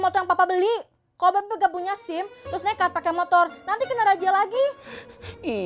motor papa beli kalau nggak punya sim terus naik kartu motor nanti kena raja lagi iya